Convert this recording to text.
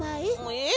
えっ？